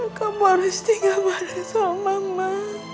aku harus tinggal bareng sama mama